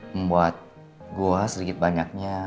membuat gue sedikit banyaknya